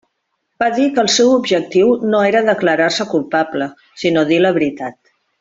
Va dir que el seu objectiu no era declarar-se culpable sinó dir la veritat.